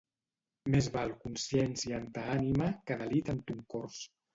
Més val consciència en ta ànima que delit en ton cors.